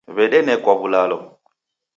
W'edenekwa w'ulalo.